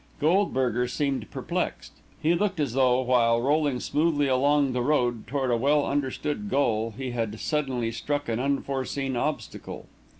Goldberger seemed perplexed. He looked as though, while rolling smoothly along the road toward a well understood goal, he had suddenly struck an unforeseen obstacle.